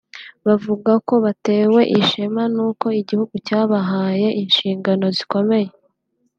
bavuga ko batewe ishema n’uko igihugu cyabahaye inshingano zikomeye